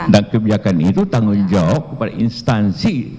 dan kebijakan itu tanggung jawab pada instansi